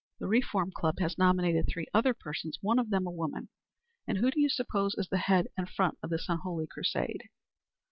The Reform Club has nominated three other persons one of them a woman. And who do you suppose is the head and front of this unholy crusade?"